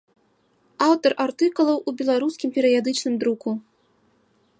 Аўтар артыкулаў у беларускім перыядычным друку.